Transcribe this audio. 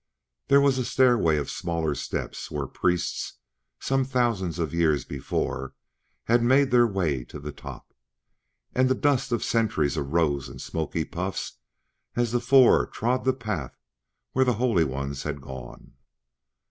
There was a stairway of smaller steps where priests, some thousands of years before, had made their way to the top. And the dust of centuries arose in smoky puffs as the four trod that path where the holy ones had gone.